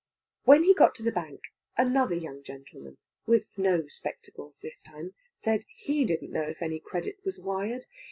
When he got to the Bank another young gentleman, with no spectacles this time, said he didn't know if any credit was wired.